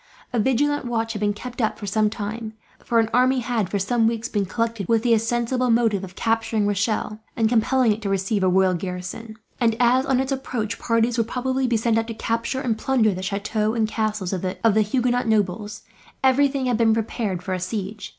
A vigilant watch had been kept up for some time, for an army had for some weeks been collected, with the ostensible motive of capturing Rochelle and compelling it to receive a royal garrison; and as, on its approach, parties would probably be sent out to capture and plunder the chateaux and castles of the Huguenot nobles, everything had been prepared for a siege.